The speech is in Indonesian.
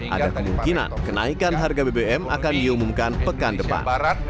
ada kemungkinan kenaikan harga bbm akan diumumkan pekan depan